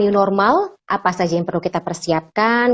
new normal apa saja yang perlu kita persiapkan